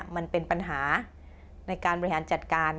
มันเป็นปัญหาในการบริหารจัดการ